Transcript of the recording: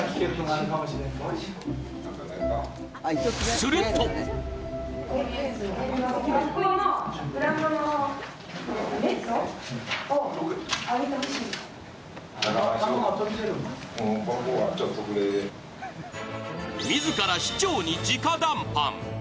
すると自ら市長に直談判。